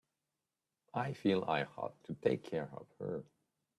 I feel I ought to take care of her.